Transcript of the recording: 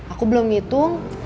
aku belum hitung